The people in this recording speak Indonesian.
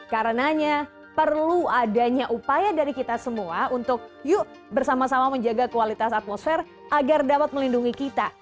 karenanya perlu adanya upaya dari kita semua untuk yuk bersama sama menjaga kualitas atmosfer agar dapat melindungi kita